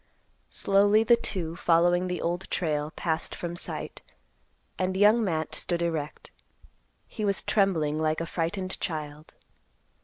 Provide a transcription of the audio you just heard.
Slowly the two, following the Old Trail, passed from sight, and Young Matt stood erect. He was trembling like a frightened child.